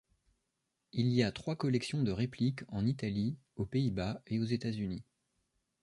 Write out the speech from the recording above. Il y a trois collections de répliques en Italie, aux Pays-Bas et aux États-Unis.